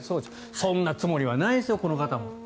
そんなつもりはないんですよこの方も。